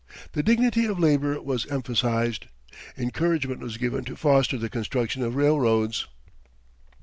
The dignity of labour was emphasized. Encouragement was given to foster the construction of railroads.